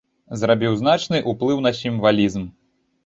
Зрабіў значны ўплыў на сімвалізм.